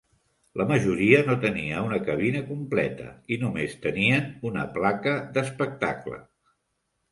La majoria no tenia una cabina completa i només tenien una placa d"espectacle.